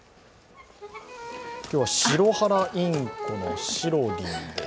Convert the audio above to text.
今日はシロハラインコのシロリンです。